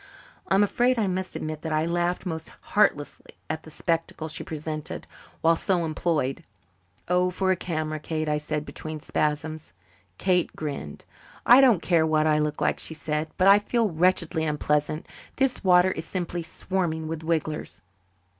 I am afraid I must admit that I laughed most heartlessly at the spectacle she presented while so employed. "Oh, for a camera, Kate!" I said, between spasms. Kate grinned. "I don't care what I look like," she said, "but I feel wretchedly unpleasant. This water is simply swarming with wigglers."